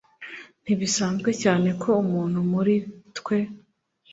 Ntibisanzwe cyane ko umuntu muri twe